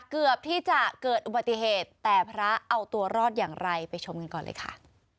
เกือบที่จะเกิดอุบัติเหตุแต่พระเอาตัวรอดอย่างไรไปชมกันก่อนเลยค่ะ